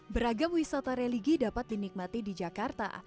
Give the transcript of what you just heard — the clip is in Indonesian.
beragam wisata religi dapat dinikmati di jakarta